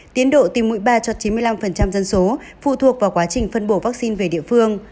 tiến độ tiêm mũi ba cho chín mươi năm dân số phụ thuộc vào quá trình phân bổ vaccine